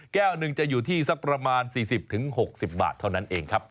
แก้วหนึ่งจะอยู่ที่สักประมาณ๔๐๖๐บาทเท่านั้นเองครับ